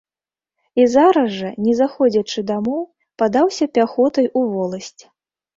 І зараз жа, не заходзячы дамоў, падаўся пяхотай у воласць.